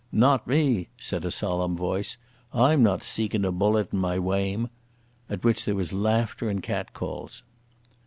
"No me!" said a solemn voice. "I'm not seekin' a bullet in my wame,"—at which there was laughter and cat calls.